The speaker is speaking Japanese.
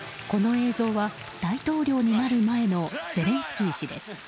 この映像は大統領になる前のゼレンスキー氏です。